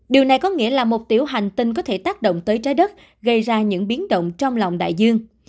điều này có nghĩa là một tiểu hành tinh có thể tác động tới trái đất gây ra những biến động trong lòng đại dương